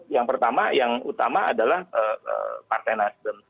yang pertama yang utama adalah partai nasdem